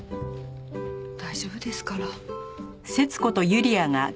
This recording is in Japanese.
大丈夫ですから。